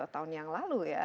dua tahun yang lalu ya